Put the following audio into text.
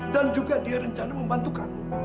dan juga dia rencana membantu kamu